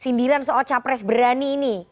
sindiran seoca presiden berani ini